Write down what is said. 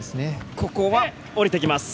ここは下りてきます。